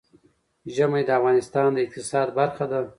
ژمی د افغانستان د اقتصاد برخه ده.